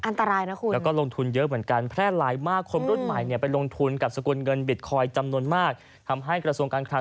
นานแล้วนะคะได้ยินมาประมาณสัก๒๓ปีแล้วล่ะ